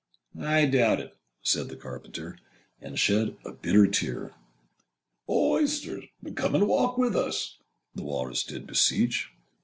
'I doubt it,' said the Carpenter, Â Â Â Â And shed a bitter tear. 'O Oysters, come and walk with us!' Â Â Â Â The Walrus did beseech.